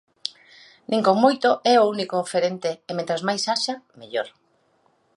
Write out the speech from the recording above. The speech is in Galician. Nin con moito é o único oferente e mentres máis haxa, mellor.